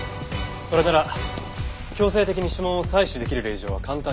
それなら強制的に指紋を採取できる令状は簡単に取れますよ。